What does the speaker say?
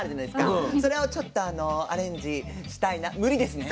それをちょっとアレンジしたいな無理ですね。